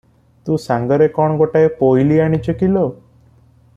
ତୁ ସାଙ୍ଗରେ କଣ ଗୋଟାଏ ପୋଇଲୀ ଆଣିଛୁ କି ଲୋ ।"